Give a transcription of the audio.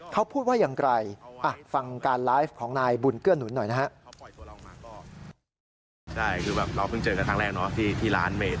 เราเพิ่งเจอกันทั้งแรกที่ร้านเมษ